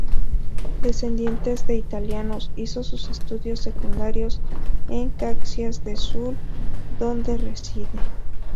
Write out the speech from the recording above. Descendiente de italianos, hizo sus estudios secundarios en Caxias do Sul, donde reside.